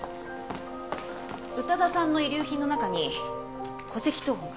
宇多田さんの遺留品の中に戸籍謄本が。